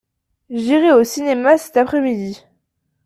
J’irai au cinéma cet après-midi.